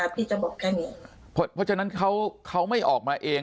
พี่จะบอกแค่นี้เพราะฉะนั้นเขาเขาไม่ออกมาเอง